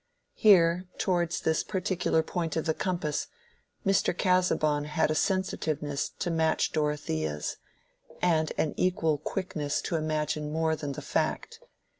Here, towards this particular point of the compass, Mr. Casaubon had a sensitiveness to match Dorothea's, and an equal quickness to imagine more than the fact.